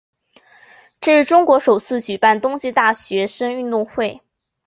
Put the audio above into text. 这是中国首次举行冬季大学生运动会。